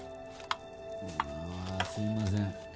ああすみません。